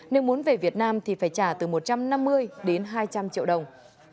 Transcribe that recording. nếu muốn về việt nam thì phải trả từ một trăm năm mươi đến hai trăm linh triệu đồng